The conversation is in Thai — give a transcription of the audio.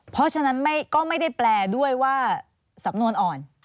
เพราะฉะนั้นก็ไม่ได้แปลด้วยว่าสำนวนอ่อน